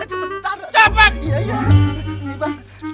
ini bang ini coba ini doang